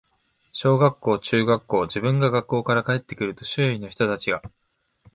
小学校、中学校、自分が学校から帰って来ると、周囲の人たちが、